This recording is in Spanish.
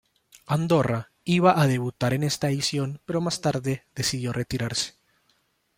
Andorra iba a debutar en esta edición, pero más tarde decidió retirarse.